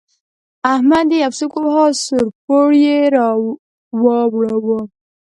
احمد يې يو سوک وواهه؛ سوړ پوړ يې راواړاوو.